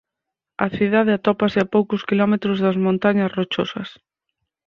A cidade atópase a poucos quilómetros das Montañas Rochosas.